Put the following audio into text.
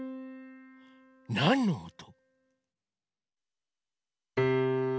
なんのおと？